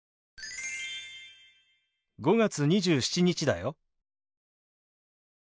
５月２７日だよ。